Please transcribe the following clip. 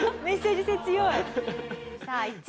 メッセージ性強い。